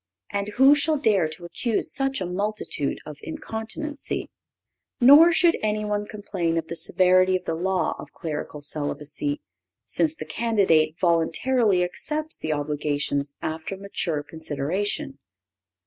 And who shall dare to accuse such a multitude of incontinency? Nor should any one complain of the severity of the law of clerical celibacy, since the candidate voluntarily accepts the obligations after mature consideration.